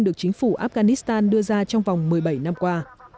được chính phủ afghanistan đưa ra trong vòng một mươi bảy năm qua